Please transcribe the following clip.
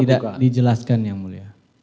tidak dijelaskan ya mulia